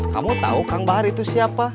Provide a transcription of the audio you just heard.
kamu tahu kang bahar itu siapa